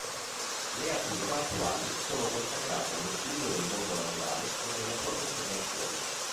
Le attività attuali sono consacrate allo studio del mondo naturale e della sua conservazione.